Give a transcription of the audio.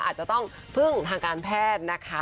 อาจจะต้องพึ่งทางการแพทย์นะคะ